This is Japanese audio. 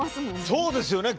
そうですよね。